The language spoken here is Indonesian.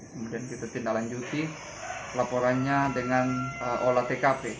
kemudian kita tindak lanjuti laporannya dengan olah tkp